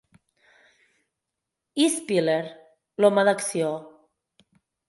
I Spiller, l'home d'acció?